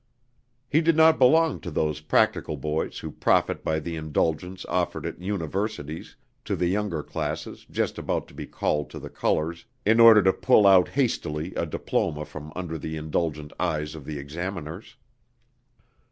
He did not belong to those practical boys who profit by the indulgence offered at universities to the younger classes just about to be called to the colors in order to pull out hastily a diploma from under the indulgent eyes of the examiners.